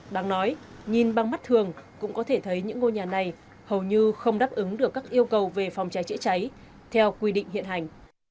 đáng nói nhìn bằng mắt thường cũng có thể thấy những ngôi nhà này hầu như không đáp ứng được các yêu cầu về phòng cháy chữa cháy theo quy định hiện hành